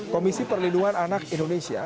komisi perlindungan anak indonesia